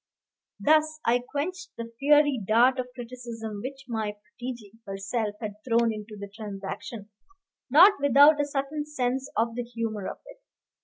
Thus I quenched the fiery dart of criticism which my protégée herself had thrown into the transaction, not without a certain sense of the humor of it.